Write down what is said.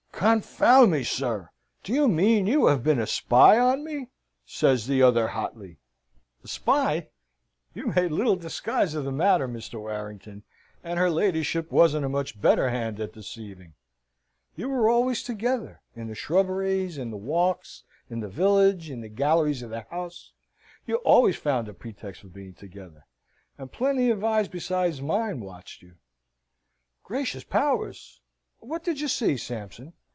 "Confound me, sir, do you mean you have been a spy on me?" says the other hotly. "A spy! You made little disguise of the matter, Mr. Warrington, and her ladyship wasn't a much better hand at deceiving. You were always together. In the shrubberies, in the walks, in the village, in the galleries of the house, you always found a pretext for being together, and plenty of eyes besides mine watched you." "Gracious powers! What did you see, Sampson?"